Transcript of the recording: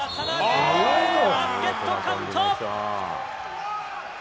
バスケットカウント。